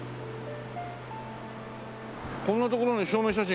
こんな所に証明写真？